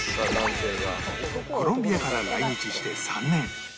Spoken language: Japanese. コロンビアから来日して３年